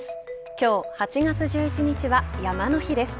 今日８月１１日は山の日です。